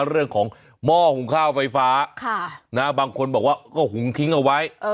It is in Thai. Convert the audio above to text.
เรื่องของหม้อหุงข้าวไฟฟ้าค่ะนะบางคนบอกว่าก็หุงทิ้งเอาไว้